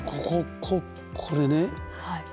こここれね。